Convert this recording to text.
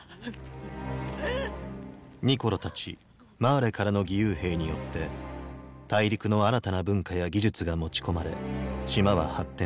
ニコロたちマーレからの義勇兵によって大陸の新たな文化や技術が持ち込まれ島は発展した。